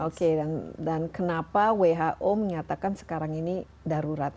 oke dan kenapa who menyatakan sekarang ini darurat